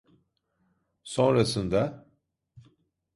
Sonrasında…